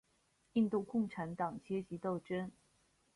印度共产党阶级斗争。